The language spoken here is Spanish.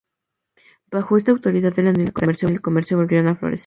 Bajo esta autoridad la navegación y el comercio volvieron a florecer.